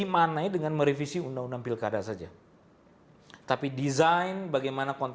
meminta mahar pencalonan